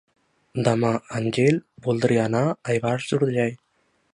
Demà en Gil voldria anar a Ivars d'Urgell.